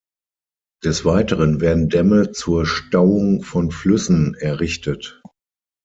Des Weiteren werden Dämme zur Stauung von Flüssen errichtet.